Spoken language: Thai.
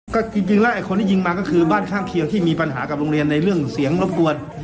ก็จริงแล้วไอ้คนที่ยิงมาก็คือบ้านข้างเคียงที่มีปัญหากับโรงเรียนในเรื่องเสียงรบกวน